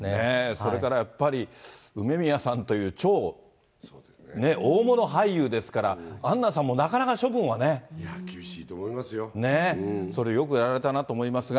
それからやっぱり、梅宮さんという超大物俳優ですから、アンナさんもなかなか処分はいや、それよくやられたなと思いますが。